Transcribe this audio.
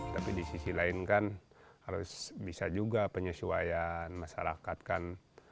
tapi di sisi lain kan harus bisa juga penyesuaian masyarakat kan